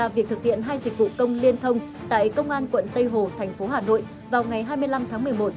vụ công liên thông tại công an quận tây hồ tp hà nội vào ngày hai mươi năm tháng một mươi một